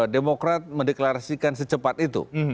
demokrat mendeklarasikan secepat itu